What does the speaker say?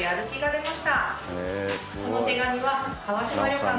この手紙は。